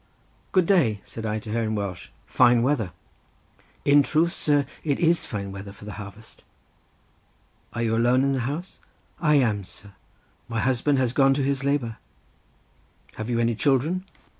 "Good day," said I to her in Welsh. "Fine weather." "In truth, sir, it is fine weather for the harvest." "Are you alone in the house?" "I am, sir, my husband has gone to his labour." "Have you any children?"